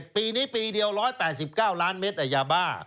ปีนี้ปีเดียว๑๘๙ล้านเมตรยาบ้า